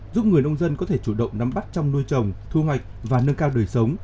giúp người nông dân có thể chủ động nắm bắt trong nuôi trồng thu hoạch và nâng cao đời sống